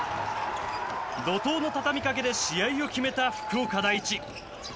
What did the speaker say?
怒涛の畳みかけで試合を決めた福岡第一。